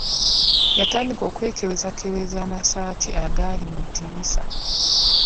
Yatandika okwekebezakebeza amasaati agaali mu ddirisa.